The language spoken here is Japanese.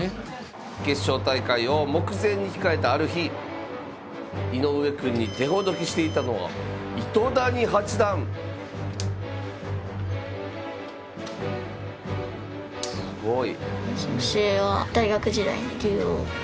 決勝大会を目前に控えたある日井上くんに手ほどきしていたのはすごい。